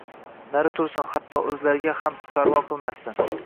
Nari tursin hatto o‘zlariga ham parvo qilmasdi.